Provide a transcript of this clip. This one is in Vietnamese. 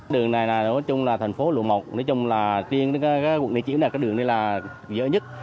đường này là thành phố lụa một tuyến đến quận liên triểu này là đường dở nhất